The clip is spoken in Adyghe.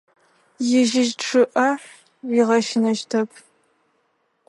Ижьы чъыӏэ уигъэщынэщтэп.